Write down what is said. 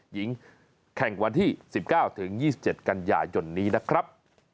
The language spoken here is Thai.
หญิงแข่งวันที่๑๙๒๗กันยายนนี้นะครับ